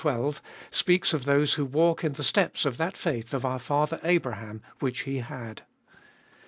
12), speaks of those who walk in the steps of that faith of our father Abraham which he had.